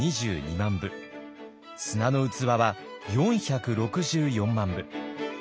「砂の器」は４６４万部。